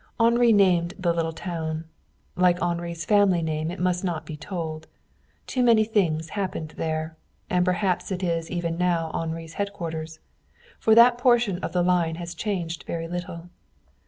Henri named the little town. Like Henri's family name, it must not be told. Too many things happened there, and perhaps it is even now Henri's headquarters. For that portion of the line has changed very little.